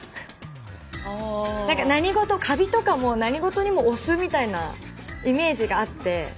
なんかカビとかも何事にもお酢みたいなイメージがあって。